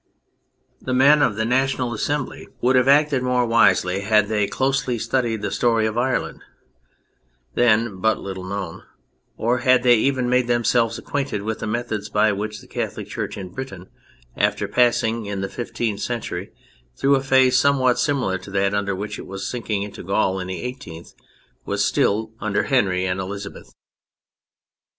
The men of the National Assembly would THE CATHOLIC CHURCH 239 have acted more wisely had they closely studied the story of Ireland (then but little known), or had they even made themselves acquainted with the methods by which the Catholic Church in Britain, after passing in the fifteenth century through a phase some what similar to that under which it was sinking in Gaul in the eighteenth, was stifled under Henry and Elizabeth.